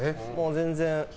全然。